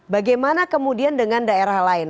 bagaimana kemudian dengan daerah lain